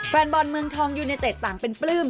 แฟนบอลเมืองทองยูเนเต็ดต่างเป็นปลื้ม